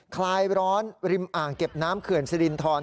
คลายร้อนริมอ่างเก็บน้ำเขื่อนสิรินทร